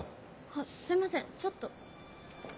あっすいませんちょっと。